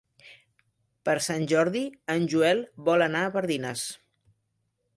Per Sant Jordi en Joel vol anar a Pardines.